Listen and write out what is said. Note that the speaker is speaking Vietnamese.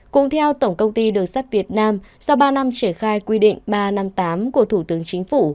cũng theo tổng công ty đường sắt việt nam sau ba năm triển khai quy định ba trăm năm mươi tám của thủ tướng chính phủ